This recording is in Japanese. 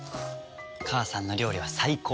母さんの料理は最高だな。